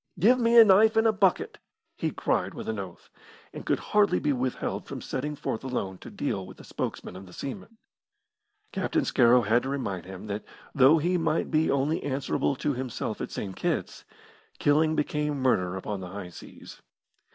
"Give me a knife and a bucket!" he cried with an oath, and could hardly be withheld from setting forth alone to deal with the spokesman of the seamen. Captain Scarrow had to remind him that though he might be only answerable to himself at St. Kitt's, killing became murder upon the high seas.